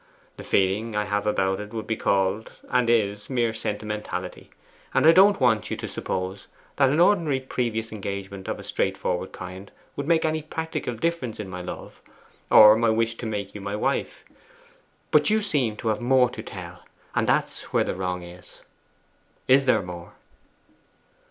The feeling I have about it would be called, and is, mere sentimentality; and I don't want you to suppose that an ordinary previous engagement of a straightforward kind would make any practical difference in my love, or my wish to make you my wife. But you seem to have more to tell, and that's where the wrong is. Is there more?